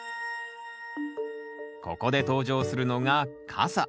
ここで登場するのが傘。